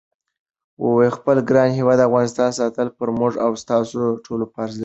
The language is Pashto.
خپل ګران هیواد افغانستان ساتل پر موږ او تاسی ټولوفرض دی